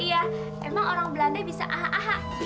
iya emang orang belanda bisa ah ah ah